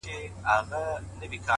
صبر چي تا د ژوند” د هر اړخ استاده کړمه”